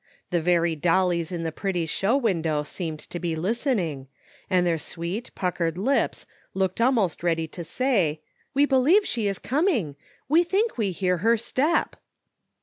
The very dollies in the pretty show window seemed to be listening, and their sweet puckered lips looked almost ready to say, "We believe she is coming ! We think we hear her step